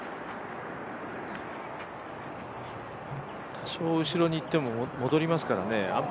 多少後ろにいっても戻りますからね。